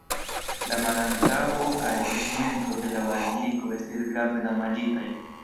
La malantaŭo kaj tegmento de la baziliko estis grave damaĝitaj.